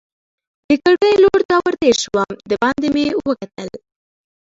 د کړکۍ لور ته ور تېر شوم، دباندې مې وکتل.